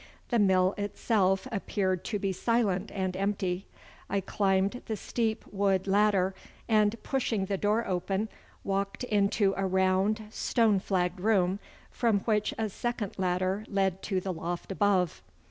The mill itself appeared to be silent and empty. I climbed the steep wood ladder, and pushing the door open, walked into a round stone flagged room, from which a second ladder led to the loft above.